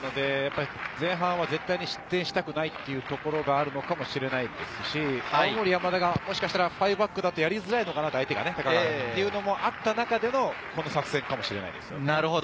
前半は絶対に失点したくないというところがあるのかもしれないですし、青森山田がもしかしたら５バックだとやりづらいのかなというのがあった中でのこの作戦かもしれないですよね。